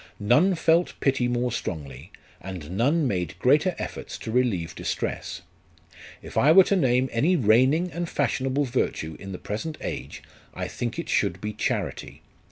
None felt pity more strongly, and none made greater efforts to relieve distress. If I were to name any reigning and fashionable virtue in the present age, I think it should be charity.